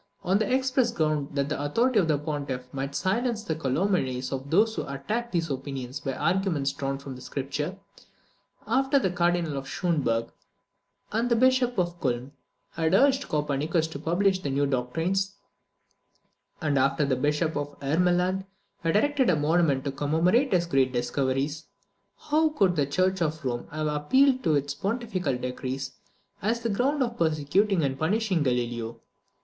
on the express ground that the authority of the pontiff might silence the calumnies of those who attacked these opinions by arguments drawn from Scripture: after the Cardinal Schonberg and the Bishop of Culm had urged Copernicus to publish the new doctrines; and after the Bishop of Ermeland had erected a monument to commemorate his great discoveries; how could the Church of Rome have appealed to its pontifical decrees as the ground of persecuting and punishing Galileo?